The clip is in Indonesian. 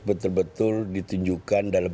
terbetul betul ditunjukkan dalam